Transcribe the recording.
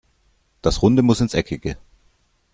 Das Runde muss ins Eckige.